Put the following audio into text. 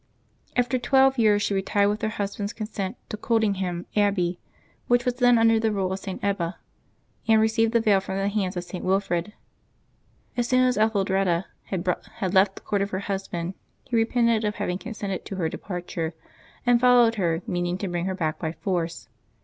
After twelve years, she retired with her husband's consent to Coldingham Abbey, which was then under the rule of St. Ebba, and received the veil from the hands of St. Wilfrid. As soon as Etheldreda had left the court of her husband, he re pented of having consented to her departure, and followed her, meaning to bring her back by force.